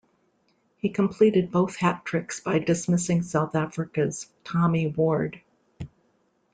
He completed both hat-tricks by dismissing South Africa's Tommy Ward.